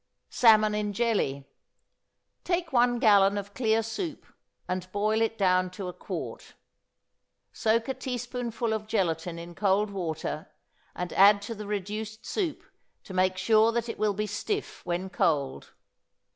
=Salmon in Jelly.= Take one gallon of clear soup, and boil it down to a quart. Soak a teaspoonful of gelatine in cold water, and add to the reduced soup to make sure that it will be stiff when cold.